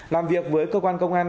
làm việc với cơ quan công an